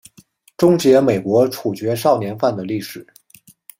终结美国处决少年犯的历史。